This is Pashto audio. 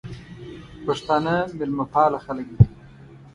پښتانه مېلمه پاله خلګ دي.